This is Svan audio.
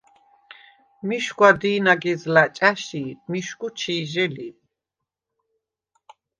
მიშგვა დი̄ნაგეზლა̈ ჭა̈ში მიშგუ ჩი̄ჟე ლი.